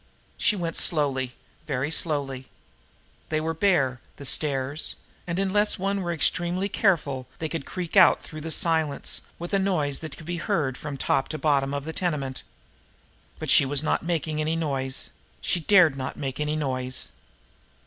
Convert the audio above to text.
She went slowly, very slowly. They were bare, the stairs, and unless one were extremely careful they would creak out through the silence with a noise that could be heard from top to bottom of the tenement. But she was not making any noise; she dared not make any noise.